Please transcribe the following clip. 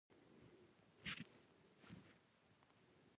په افغانستان کې ژبې د خلکو اعتقاداتو سره تړاو لري.